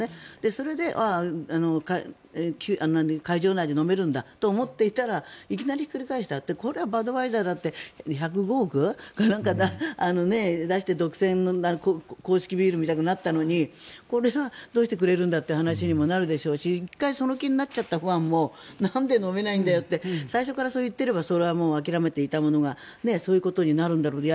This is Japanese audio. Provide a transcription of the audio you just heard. それで会場内で飲めるんだと思っていたらいきなりひっくり返したってこれはバドワイザーだって１０５億か何か出して独占の公式ビールみたいになったのにこれはどうしてくれるんだって話にもなるでしょうし１回その気になっちゃったファンもなんで飲めないんだよって最初からそう言っていればそれは諦めていたものがそういうことになるんだろうと。